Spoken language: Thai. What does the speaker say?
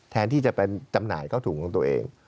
แทนที่จะไปจำหน่ายเข้าถุงของตัวเอง